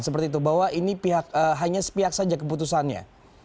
seperti itu bahwa ini pihak hanya sepihak saja keputusannya